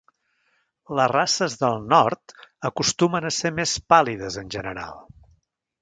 Les races del nord acostumen a ser més pàl·lides en general.